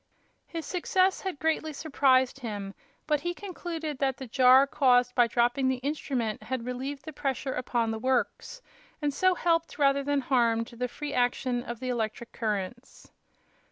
His success had greatly surprised him, but he concluded that the jar caused by dropping the instrument had relieved the pressure upon the works, and so helped rather than harmed the free action of the electric currents.